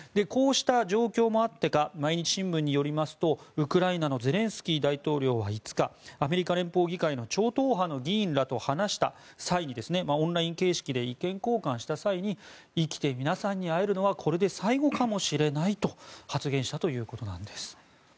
こうした状況もあってか毎日新聞によりますとウクライナのゼレンスキー大統領は５日アメリカ連邦議会の超党派の議員らと話した際にオンライン形式で意見交換した際に生きて、皆さんに会えるのはこれで最後かもしれないと発言したということなんです。